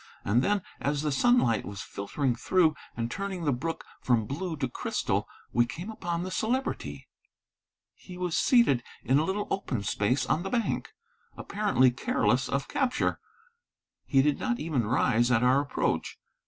And then, as the sunlight was filtering through and turning the brook from blue to crystal, we came upon the Celebrity. He was seated in a little open space on the bank, apparently careless of capture. He did not even rise at our approach.